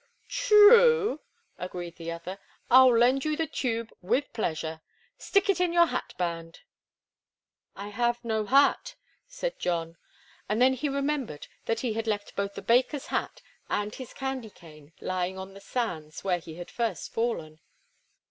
"True," agreed the other. "I'll lend you the tube, with pleasure. Stick it in your hat band." "I have no hat," said John; and then he remembered that he had left both the baker's hat and his candy cane lying on the sands where he had first fallen.